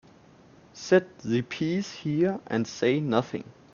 Set the piece here and say nothing.